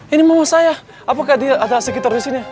ini mau saya apakah dia ada sekitar di sini